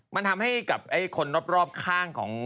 มันทำให้กับคนรอบข้างของ